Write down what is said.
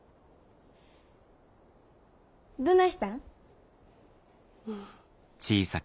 どないしたん？